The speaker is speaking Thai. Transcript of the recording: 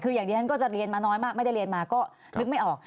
คืออย่างนี้ฉันก็จะเรียนมาน้อยมากไม่ได้เรียนมาก็นึกไม่ออก